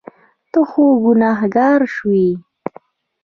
ته خو ګناهګار شوې.